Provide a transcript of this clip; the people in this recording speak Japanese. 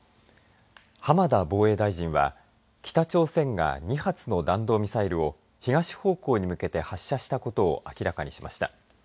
浜田防衛大臣は北朝鮮が２発の弾道ミサイルを東方向に向けて発射したことを明らかにしました。